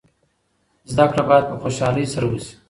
زده کړه باید په خوشحالۍ سره وسي.